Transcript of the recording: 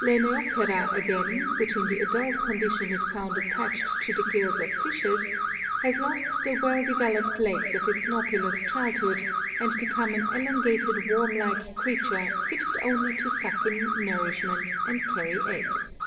Lernaeocera again, which in the adult condition is found attached to the gills of fishes, has lost the well developed legs of its Nauplius childhood and become an elongated worm like creature fitted only to suck in nourishment and carry eggs.